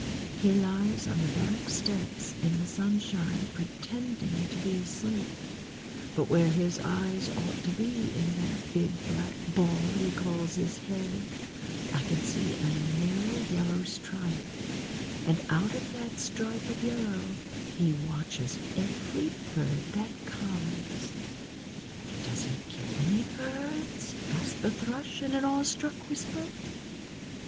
He lies on the back steps in the sunshine pretending to be asleep, but where his eyes ought to be in that big black ball he calls his head I can see a narrow yellow stripe, and out of that stripe of yellow he watches every bird that comes." "Does he get any birds?" asked the Thrush in an awe struck whisper.